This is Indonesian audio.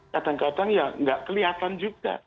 kadang kadang ya nggak kelihatan juga